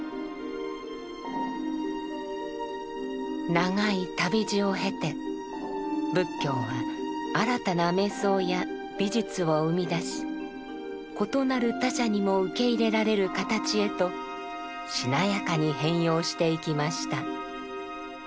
長い旅路を経て仏教は新たな瞑想や美術を生み出し異なる他者にも受け入れられる形へとしなやかに変容していきました。